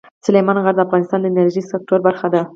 سلیمان غر د افغانستان د انرژۍ سکتور برخه ده.